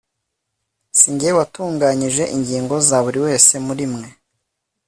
si nanjye watunganyije ingingo za buri wese muri mwe